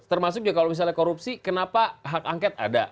termasuk juga kalau misalnya korupsi kenapa hak angket ada